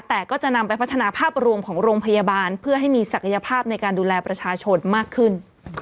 แต่ก็จะนำไปพัฒนาภาพรวมของโรงพยาบาลเพื่อให้มีศักยภาพในการดูแลประชาชนมากขึ้น